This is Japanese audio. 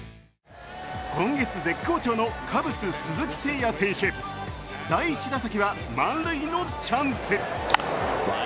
今月、絶好調のカブス・鈴木誠也選手第１打席は満塁のチャンス。